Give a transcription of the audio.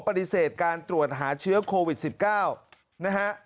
ปฏิเสธการตรวจหาเชื้อโควิด๑๙นะฮะ